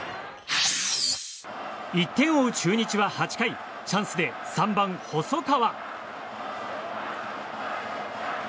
１点を追う中日は８回チャンスで３番、細川。